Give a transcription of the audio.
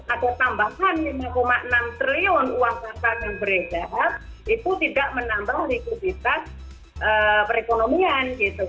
ada tambahan rp lima enam triliun uang kartal yang beredar itu tidak menambah logistika perekonomian gitu kan